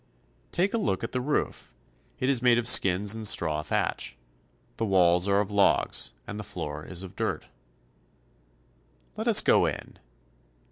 Take a look at the roof. It is made of skins and straw thatch. The walls are of logs, and the floor is of dirt. Let us go in.